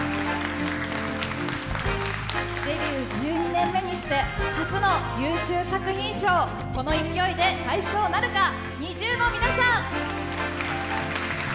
デビュー１２年目にして初の優秀作品賞、この勢いで大賞なるか、ＮｉｚｉＵの皆さん。